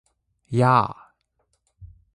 やー！！！